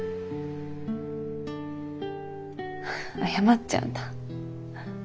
謝っちゃうんだ。